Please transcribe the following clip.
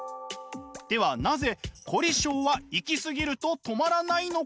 ではなぜ凝り性は行き過ぎると止まらないのか？